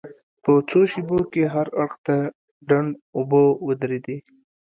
په څو شېبو کې هر اړخ ته ډنډ اوبه ودرېدې.